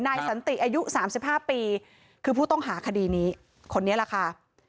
นายสันติอายุสามสิบห้าปีคือผู้ต้องหาคดีนี้คนนี้แหละค่ะ